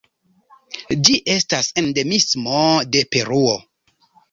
Ĝi estas endemismo de Peruo.